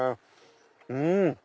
うん！